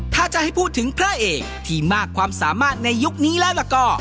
ถ้าจะให้พูดถึงพระเอกที่มากความสามารถในยุคนี้แล้วล่ะก็